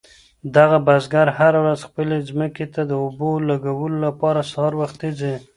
هغه بزګر هره ورځ خپلې ځمکې ته د اوبو لګولو لپاره سهار وختي ځي.